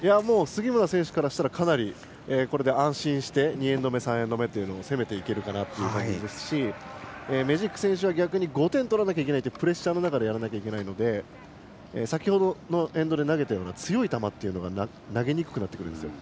杉村選手からしたらかなり安心して２エンド、３エンド攻めていけますしメジーク選手は逆に５点取らないといけないというプレッシャーの中でやらなきゃいけないので先ほどのエンドで投げたような強い球が投げにくくなってくるんですよ。